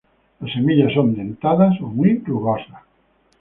Las semillas son dentadas o muy rugosas.